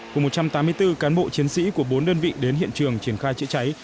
cùng một trăm tám mươi bốn cán bộ chiến sĩ của bốn đơn vị đến hiện trường triển khai chữa cháy